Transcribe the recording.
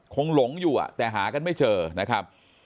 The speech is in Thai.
หลงอยู่แต่หากันไม่เจอนะครับ